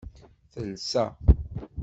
Telsa.